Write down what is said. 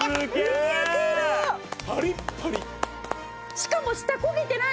しかも下焦げてない！